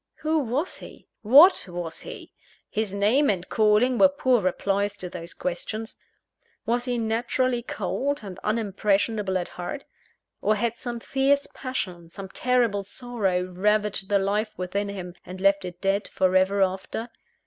Who was he? What was he? His name and calling were poor replies to those questions. Was he naturally cold and unimpressible at heart? or had some fierce passion, some terrible sorrow, ravaged the life within him, and left it dead for ever after?